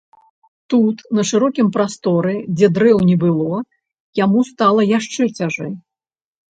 Тут, на шырокім прасторы, дзе дрэў не было, яму стала яшчэ цяжэй.